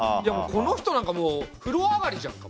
この人なんかもうふろ上がりじゃんか。